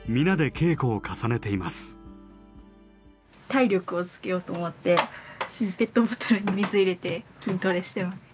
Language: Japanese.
体力をつけようと思ってペットボトルに水入れて筋トレしてます。